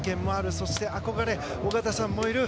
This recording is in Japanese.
そして憧れ小方さんもいる。